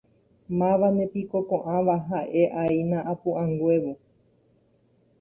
Mávanepiko ko'ãva ha'e'aína apu'ãnguévo.